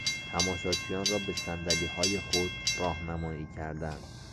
تماشاچیان را به صندلیهای خود راهنمایی کردن